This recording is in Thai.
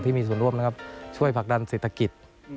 มีส่วนร่วมนะครับช่วยผลักดันเศรษฐกิจ